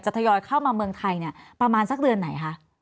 ทยอยเข้ามาเมืองไทยเนี่ยประมาณสักเดือนไหนคะ